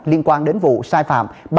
liên quan đến vụ sai phạm